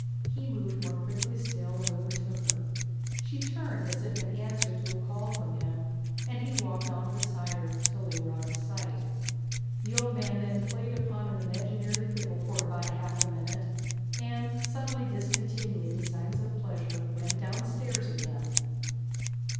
He moved more quickly still, and overtook her. She turned as if in answer to a call from him, and he walked on beside her, till they were out of sight. The old man then played upon an imaginary fiddle for about half a minute; and, suddenly discontinuing these signs of pleasure, went downstairs again.